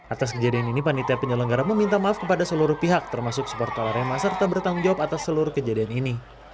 atas kejadian ini panitia penyelenggara meminta maaf kepada seluruh pihak termasuk supporter arema serta bertanggung jawab atas seluruh kejadian ini